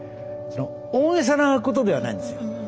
大げさなことではないんですよ。